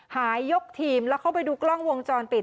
หายยกทีมแล้วเข้าไปดูกล้องวงจรปิด